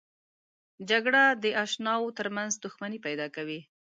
جګړه د اشناو ترمنځ دښمني پیدا کوي